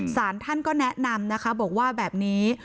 สารท่านก็แนะนำนะคะบอกว่าแบบนี้